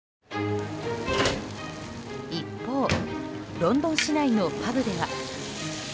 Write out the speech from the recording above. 一方ロンドン市内のパブでは。